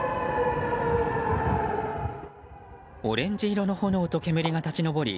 オレンジ色の炎と煙が立ち上り